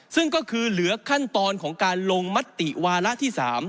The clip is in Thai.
ซึ่งก็คือเหลือขั้นตอนของการลงมติวาระที่๓